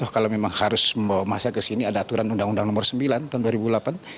kalau memang harus membawa masa ke sini ada aturan undang undang nomor sembilan tahun dua ribu delapan